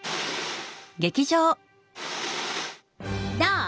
どう？